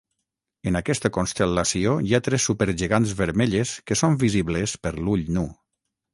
En aquesta constel·lació hi ha tres supergegants vermelles que són visibles per l'ull nu.